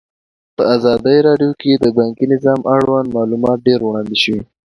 په ازادي راډیو کې د بانکي نظام اړوند معلومات ډېر وړاندې شوي.